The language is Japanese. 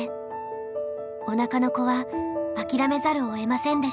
おなかの子は諦めざるをえませんでした。